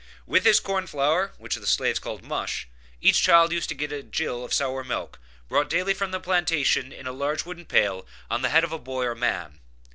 With this corn flour, which the slaves called mush, each child used to get a gill of sour milk brought daily from the plantation in a large wooden pail on the head of a boy or man.